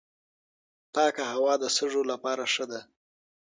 پاکه هوا د سږو لپاره ښه ده.